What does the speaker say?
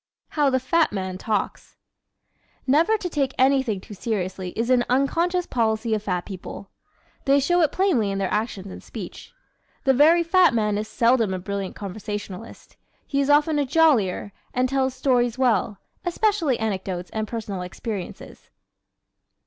How the Fat Man Talks ¶ Never to take anything too seriously is an unconscious policy of fat people. They show it plainly in their actions and speech. The very fat man is seldom a brilliant conversationalist. He is often a "jollier" and tells stories well, especially anecdotes and personal experiences.